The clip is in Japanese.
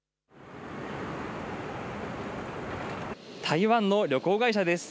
台湾の旅行会社です。